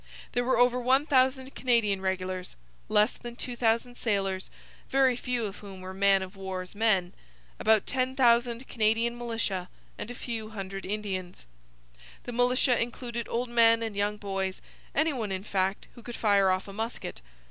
There were over 1,000 Canadian regulars; less than 2,000 sailors, very few of whom were man of war's men; about 10,000 Canadian militia, and a few hundred Indians. The militia included old men and young boys, any one, in fact, who could fire off a musket.